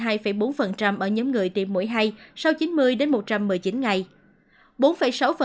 tỷ lệ này đã tăng lên hai bốn ở nhóm người tiêm mũi hai sau chín mươi đến một trăm một mươi chín ngày